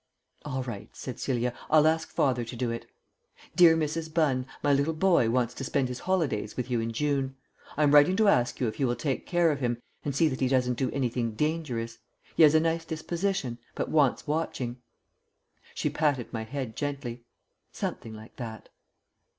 "All right," said Celia, "I'll ask father to do it. 'Dear Mrs. Bunn, my little boy wants to spend his holidays with you in June. I am writing to ask you if you will take care of him and see that he doesn't do anything dangerous. He has a nice disposition, but wants watching.'" She patted my head gently. "Something like that."